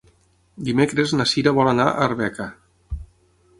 Dimecres na Cira vol anar a Arbeca.